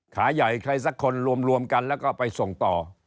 ขาใหญ่ใครสักคนรวมกันแล้วก็ไปส่งต่อ